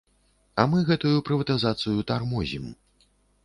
А мы гэтую прыватызацыю тармозім.